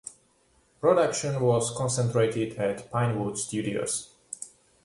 Production was concentrated at Pinewood Studios.